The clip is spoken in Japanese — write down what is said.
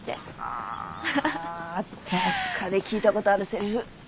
あどっかで聞いたことあるセリフ。